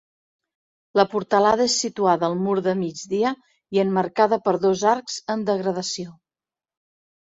La portalada és situada al mur de migdia i emmarcada per dos arcs en degradació.